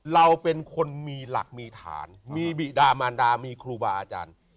เราเป็นคนมีหลักมีฐานมีบิดามารดามีครูบาอาจารย์